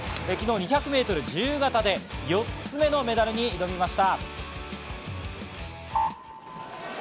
昨日、２００ｍ自由形で４つ目のメダルに挑みました。